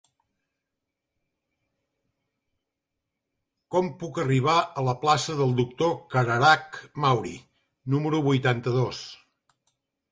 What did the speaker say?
Com puc arribar a la plaça del Doctor Cararach Mauri número vuitanta-dos?